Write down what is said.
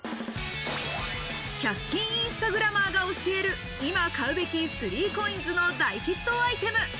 １００均インスタグラマーが教える、今買うべき３ＣＯＩＮＳの大ヒットアイテム。